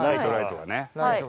ライトがね。